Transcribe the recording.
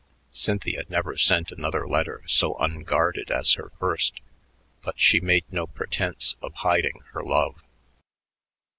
Cynthia never sent another letter so unguarded as her first, but she made no pretense of hiding her love.